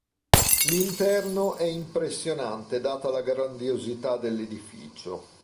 L'interno è impressionante data la grandiosità dell'edificio.